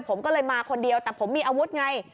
ผมก็เลยมาคนเดียวแต่ผมมีอาวุธไง